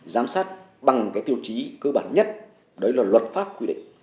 giám sát bằng cái tiêu chí cơ bản nhất đấy là luật pháp quy định